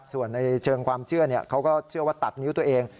ส่วนในเชิงความเชื่อเขาก็เชื่อว่าตัดนิ้วตัวเอง